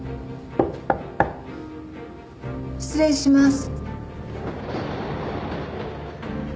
失礼します。